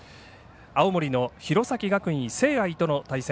青森の弘前学院聖愛との対戦。